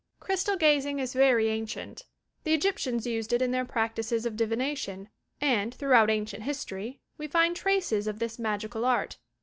Crystal Gazing is very ancient. The Egyptians used it in their practices of divination, and, throughout ancient history, we find traces of this magical art.